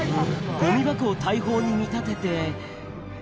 ごみ箱を大砲に見立てて。